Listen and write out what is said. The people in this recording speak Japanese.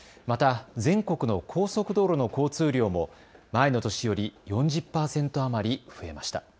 また全国の高速道路の交通量も前の年より４０％余り増えました。